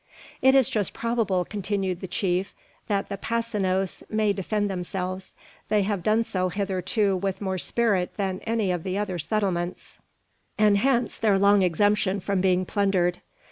"It is just probable," continued the chief, "that the Passenos may defend themselves. They have done so heretofore with more spirit than any of the other settlements, and hence their long exemption from being plundered.